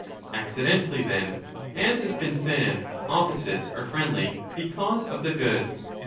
Accidentally, then, as has been said,^ opposites are friendly, because of the good.